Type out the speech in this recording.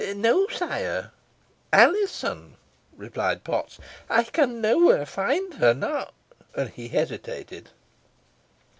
"No, sire Alizon," replied Potts. "I can nowhere find her; nor " and he hesitated.